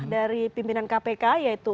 dari pimpinan kpk yaitu